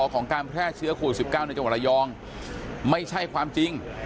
แค่เชื้อโคล๑๙ในจังหวังระยองไม่ใช่ความจริง